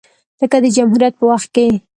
لکه د جمهوریت په وخت کې